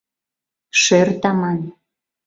— Шӧр таман...